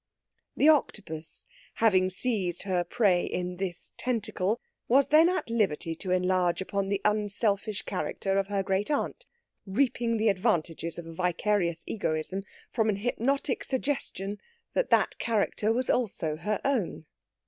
'" The Octopus, having seized her prey in this tentacle, was then at liberty to enlarge upon the unselfish character of her great aunt, reaping the advantages of a vicarious egoism from an hypnotic suggestion that that character was also her own.